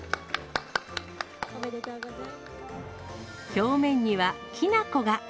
表面にはきな粉が。